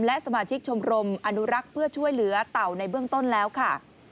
และสมาชิกชมรมอนุรักษ์เพื่อช่วยเหลือเต่าในเบื้องต้นแล้วค่ะ